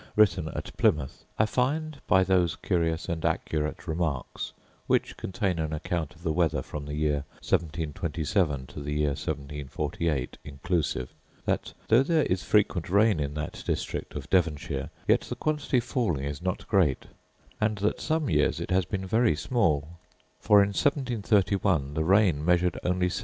written at Plymouth, I find by those curious and accurate remarks, which contain an account of the weather from the year 1727 to the year 1748, inclusive, that though there is frequent rain in that district of Devonshire, yet the quantity falling is not great; and that some years it has been very small: for in 1731 the rain measured only 17.